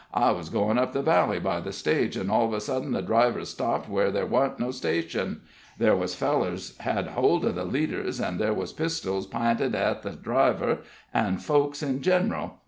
"I was goin' up the valley by the stage, an' all of a sudden the driver stopped where there wasn't no station. There was fellers had hold of the leaders, an' there was pistols p'inted at the driver an' folks in general.